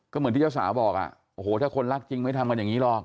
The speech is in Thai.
ก็เหมือนที่เจ้าสาวบอกอ่ะโอ้โหถ้าคนรักจริงไม่ทำกันอย่างนี้หรอก